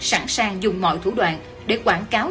sẵn sàng dùng mọi thủ đoạn để quảng cáo